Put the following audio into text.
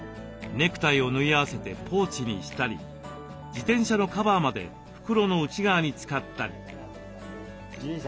ネクタイを縫い合わせてポーチにしたり自転車のカバーまで袋の内側に使ったり。